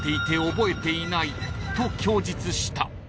［と供述した］